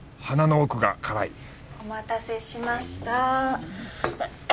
鼻の奥が辛いお待たせしました。